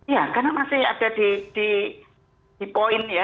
ya karena masih ada di poin ya